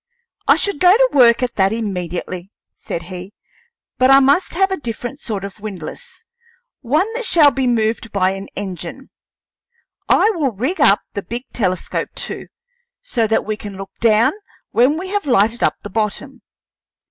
"I should go to work at that immediately," said he, "but I must have a different sort of windlass one that shall be moved by an engine. I will rig up the big telescope too, so that we can look down when we have lighted up the bottom."